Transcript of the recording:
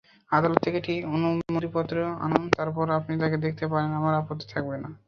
আদালত থেকে একটি অনুমতিপত্র আনুন তারপর আপনি তাকে দেখতে পারেন আমার আপত্তি থাকবে না।